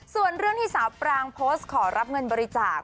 ส่วนเรื่องที่สาวปรางโพสต์ขอรับเงินบริจาค